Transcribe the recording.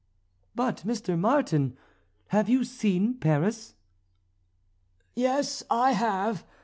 "But, Mr. Martin, have you seen Paris?" "Yes, I have.